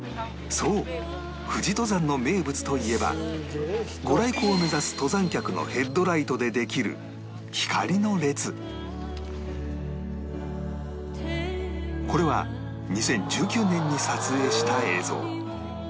そう富士登山の名物といえば御来光を目指す登山客のヘッドライトでできるこれは２０１９年に撮影した映像